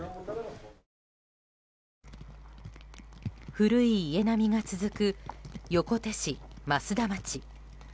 古い家並みが続く横手市増田町。